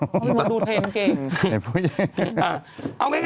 เพราะพี่มดรู้เทรนเก่ง